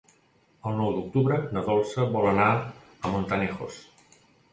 El nou d'octubre na Dolça vol anar a Montanejos.